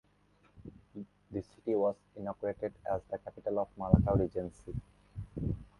The city was inaugurated as the capital of Malaka Regency.